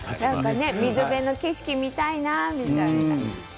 水辺の景色が見たいなみたいなね。